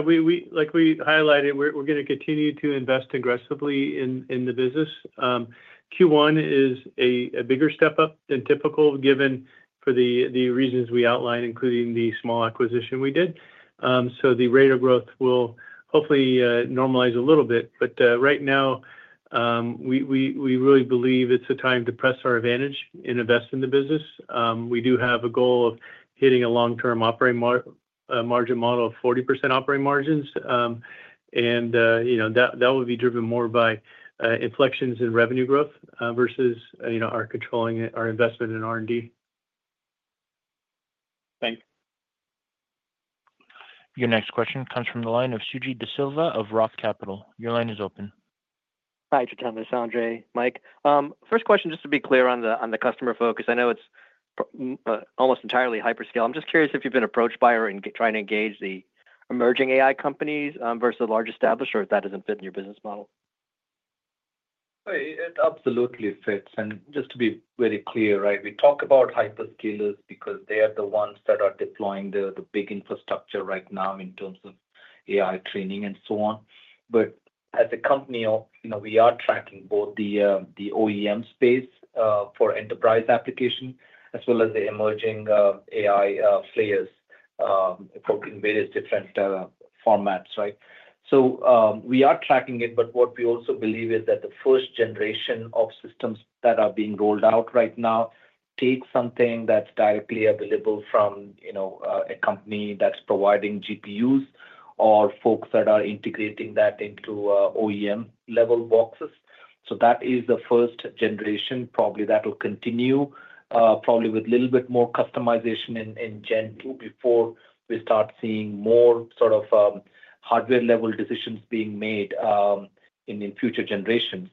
Like we highlighted, we're going to continue to invest aggressively in the business. Q1 is a bigger step up than typical given for the reasons we outlined, including the small acquisition we did. So the rate of growth will hopefully normalize a little bit. But right now, we really believe it's a time to press our advantage and invest in the business. We do have a goal of hitting a long-term margin model of 40% operating margins, and that will be driven more by inflections in revenue growth versus our investment in R&D.
Thanks.
Your next question comes from the line of Suji Desilva of Roth Capital. Your line is open.
Hi, Jitendra. This is Sanjay, Mike. First question, just to be clear on the customer focus. I know it's almost entirely hyperscale. I'm just curious if you've been approached by or trying to engage the emerging AI companies versus the large established or if that doesn't fit in your business model.
Absolutely fits. And just to be very clear, right, we talk about hyperscalers because they are the ones that are deploying the big infrastructure right now in terms of AI training and so on. But as a company, we are tracking both the OEM space for enterprise application as well as the emerging AI players in various different formats, right? So we are tracking it. But what we also believe is that the first generation of systems that are being rolled out right now take something that's directly available from a company that's providing GPUs or folks that are integrating that into OEM-level boxes. So that is the first generation. Probably that will continue, probably with a little bit more customization in Gen 2 before we start seeing more sort of hardware-level decisions being made in future generations.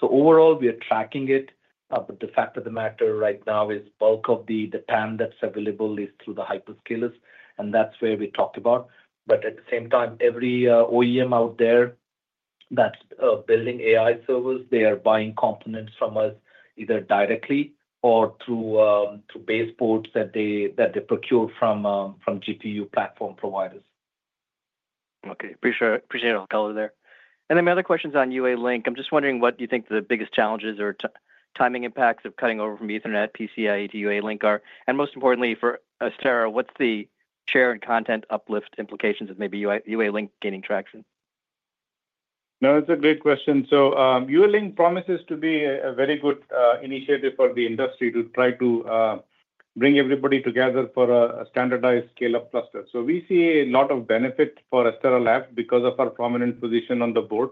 So overall, we are tracking it. But the fact of the matter right now is bulk of the TAM that's available is through the hyperscalers. And that's where we talk about. But at the same time, every OEM out there that's building AI servers, they are buying components from us either directly or through base ports that they procure from GPU platform providers.
Okay. Appreciate it all, caller, there. And then my other question is on UALink. I'm just wondering what do you think the biggest challenges or timing impacts of cutting over from Ethernet, PCIe to UALink are? And most importantly, for Astera, what's the share and content uplift implications of maybe UALink gaining traction?
No, that's a great question. So UALink promises to be a very good initiative for the industry to try to bring everybody together for a standardized scale-up cluster. So we see a lot of benefit for Astera Labs because of our prominent position on the board.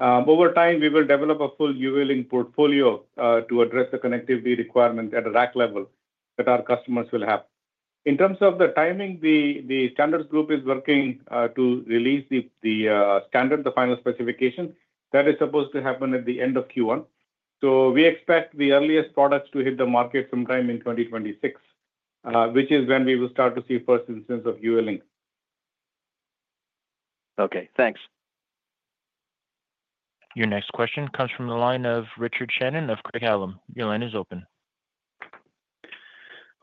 Over time, we will develop a full UALink portfolio to address the connectivity requirement at a rack level that our customers will have. In terms of the timing, the Standards Group is working to release the standard, the final specification. That is supposed to happen at the end of Q1. So we expect the earliest products to hit the market sometime in 2026, which is when we will start to see first instance of UALink.
Okay. Thanks.
Your next question comes from the line of Richard Shannon of Craig-Hallum. Your line is open.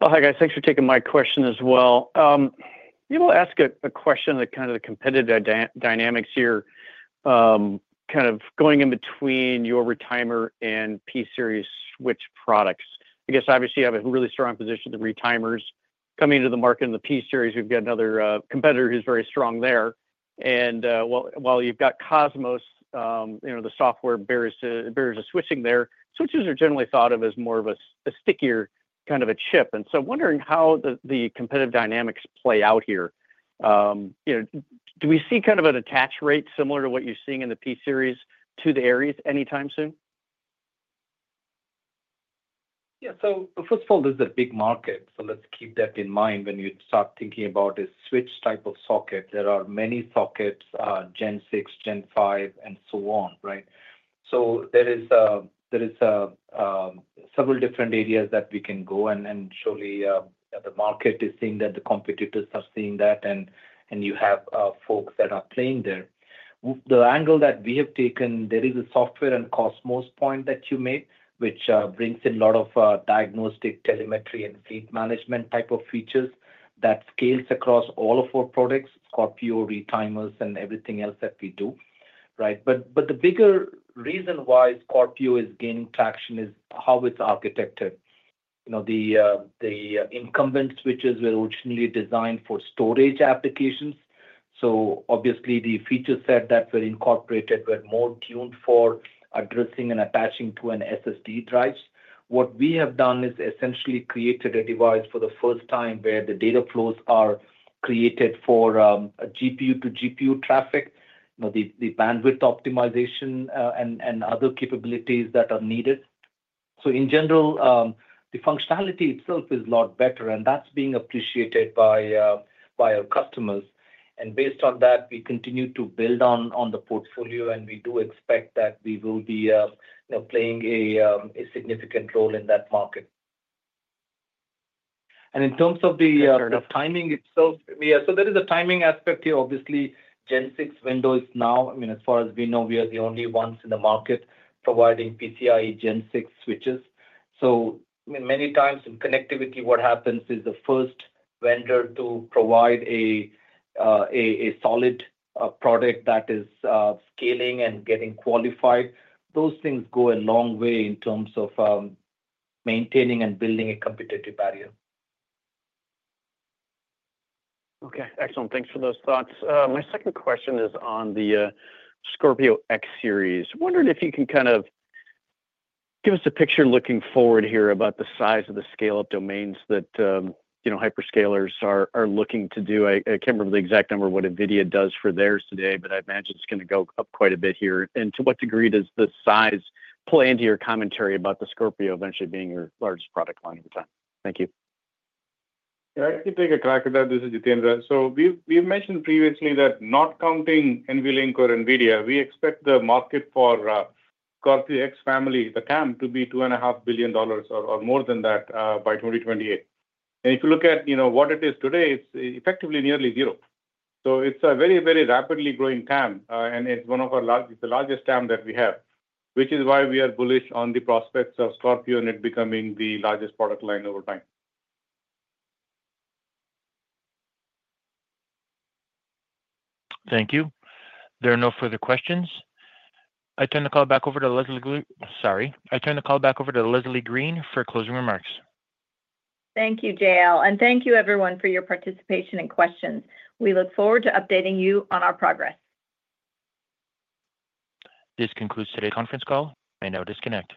Well, hi guys. Thanks for taking my question as well. We will ask a question that kind of the competitive dynamics here, kind of going in between your retimer and P series switch products. I guess, obviously, you have a really strong position to retimers coming into the market in the P series. We've got another competitor who's very strong there. And while you've got Cosmos, the software bears a switching there, switches are generally thought of as more of a stickier kind of a chip. And so wondering how the competitive dynamics play out here. Do we see kind of an attach rate similar to what you're seeing in the P series to the Aries anytime soon?
Yeah. So first of all, this is a big market. So let's keep that in mind when you start thinking about a switch type of socket. There are many sockets, Gen 6, Gen 5, and so on, right? So there are several different areas that we can go. And surely, the market is seeing that the competitors are seeing that, and you have folks that are playing there. The angle that we have taken, there is a software and Cosmos point that you made, which brings in a lot of diagnostic telemetry and fleet management type of features that scales across all of our products, Scorpio, retimers, and everything else that we do, right? But the bigger reason why Scorpio is gaining traction is how it's architected. The incumbent switches were originally designed for storage applications. So obviously, the feature set that were incorporated were more tuned for addressing and attaching to an SSD drives. What we have done is essentially created a device for the first time where the data flows are created for GPU to GPU traffic, the bandwidth optimization, and other capabilities that are needed. So in general, the functionality itself is a lot better, and that's being appreciated by our customers. And based on that, we continue to build on the portfolio, and we do expect that we will be playing a significant role in that market. And in terms of the timing itself, yeah, so there is a timing aspect here. Obviously, Gen 6 window is now. I mean, as far as we know, we are the only ones in the market providing PCIe Gen 6 switches. So many times in connectivity, what happens is the first vendor to provide a solid product that is scaling and getting qualified. Those things go a long way in terms of maintaining and building a competitive barrier.
Okay. Excellent. Thanks for those thoughts. My second question is on the Scorpio X Series. Wondering if you can kind of give us a picture looking forward here about the size of the scale-up domains that hyperscalers are looking to do. I can't remember the exact number of what NVIDIA does for theirs today, but I imagine it's going to go up quite a bit here. To what degree does the size play into your commentary about the Scorpio eventually being your largest product line over time? Thank you.
Yeah. I think I can talk about this with Jitendra. So we've mentioned previously that not counting NVLink or NVIDIA, we expect the market for Scorpio X family, the TAM, to be $2.5 billion or more than that by 2028. And if you look at what it is today, it's effectively nearly zero. So it's a very, very rapidly growing TAM, and it's one of our largest TAMs that we have, which is why we are bullish on the prospects of Scorpio and it becoming the largest product line over time.
Thank you. There are no further questions. I turn the call back over to Leslie Green. Sorry. I turn the call back over to Leslie Green for closing remarks.
Thank you, JL. Thank you, everyone, for your participation and questions. We look forward to updating you on our progress.
This concludes today's conference call. May now disconnect.